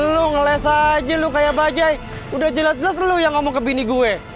lu ngeles aja lu kayak bajai udah jelas jelas lo yang ngomong ke bini gue